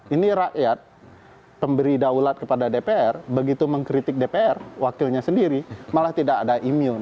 ini rakyat pemberi daulat kepada dpr begitu mengkritik dpr wakilnya sendiri malah tidak ada imun